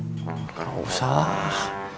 gak usah lah